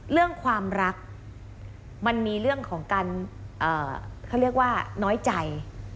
เรื่องความรักมันมีเรื่องของการเขาเรียกว่าน้อยใจ